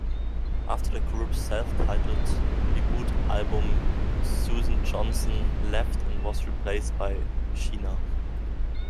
After the group's self-titled debut album, Susan Johnson left and was replaced by Sheena.